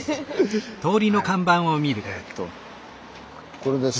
これですか。